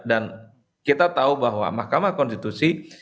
dan kita tahu bahwa mahkamah konstitusi